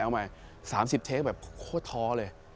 ๓๐เทคอะไรแบบท้อเลย